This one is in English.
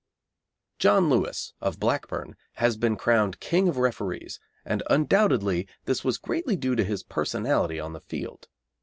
John Lewis, of Blackburn, has been crowned King of Referees, and undoubtedly this was greatly due to his personality on the field.